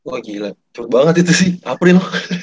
wah gila cukup banget itu sih april